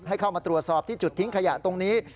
เข้ามาตรวจสอบที่จุดทิ้งขยะตรงนี้